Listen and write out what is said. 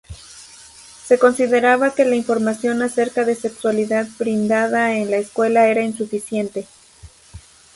Se consideraba que la información acerca de sexualidad brindada en la escuela era insuficiente.